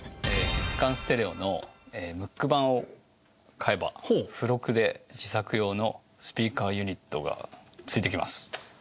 月刊『ｓｔｅｒｅｏ』のムック版を買えば付録で自作用のスピーカーユニットが付いてきます。